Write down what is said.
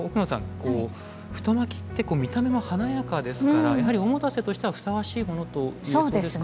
こう太巻きって見た目も華やかですからおもたせとしてはふさわしいものと言えそうですか？